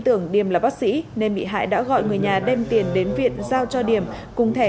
tưởng điểm là bác sĩ nên bị hại đã gọi người nhà đem tiền đến viện giao cho điểm cùng thẻ